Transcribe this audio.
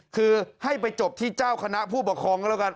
คือให้ไปจบที่เจ้าคณะผู้ปกครองก็แล้วกัน